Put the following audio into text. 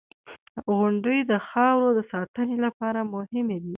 • غونډۍ د خاورو د ساتنې لپاره مهمې دي.